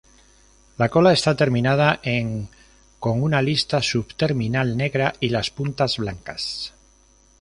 La cola está terminada en con una lista subterminal negra y las puntas blancas.